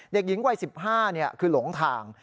เด็กหญิงวัย๑๕คือหลงทาง